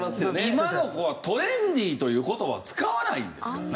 今の子はトレンディという言葉は使わないですからね。